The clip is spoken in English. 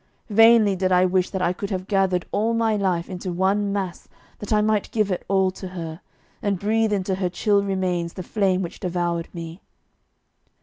Vainly did I wish that I could have gathered all my life into one mass that I might give it all to her, and breathe into her chill remains the flame which devoured me.